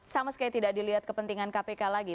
sama sekali tidak dilihat kepentingan kpk lagi